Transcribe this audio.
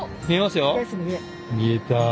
見えた。